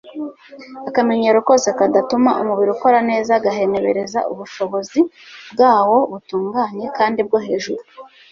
akamenyero kose kadatuma umubiri ukora neza gahenebereza ubushobozi bwawo butunganye kandi bwo hejuru